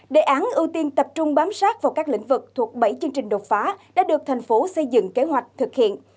đề án ưu tiên tập trung bám sát vào các lĩnh vực thuộc bảy chương trình đột phá đã được thành phố xây dựng kế hoạch thực hiện